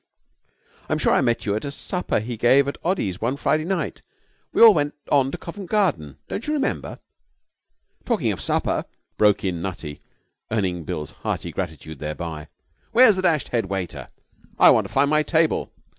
'I'm sure I met you at a supper he gave at Oddy's one Friday night. We all went on to Covent Garden. Don't you remember?' 'Talking of supper,' broke in Nutty, earning Bill's hearty gratitude thereby, 'where's the dashed head waiter? I want to find my table.'